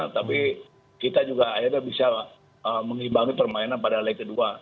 tapi kita juga akhirnya bisa mengimbangi permainan pada leg kedua